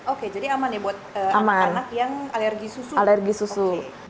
oke jadi aman ya buat anak anak yang alergi susu